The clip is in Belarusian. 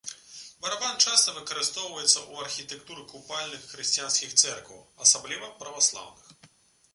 Барабан часта выкарыстоўваецца ў архітэктуры купальных хрысціянскіх цэркваў, асабліва, праваслаўных.